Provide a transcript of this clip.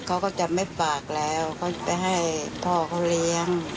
เขาก็จะไม่ฝากแล้วเขาจะให้พ่อเขาเลี้ยง